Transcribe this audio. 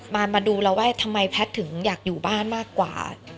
มาดูเราว่าทำไมแพทย์ถึงอยากอยู่บ้านมากกว่า